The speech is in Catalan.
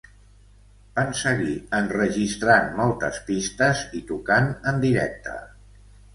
Van seguir enregistrant moltes pistes i tocant en directe.